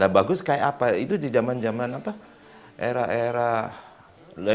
bagus seperti apa itu pada zaman era era